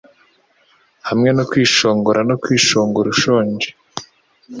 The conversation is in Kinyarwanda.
Hamwe no kwishongora no kwishongora ushonje